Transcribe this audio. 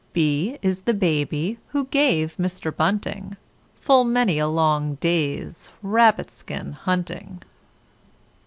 B is the BABY who gave Mr Bunting Full many a long day's rabbit skin hunting.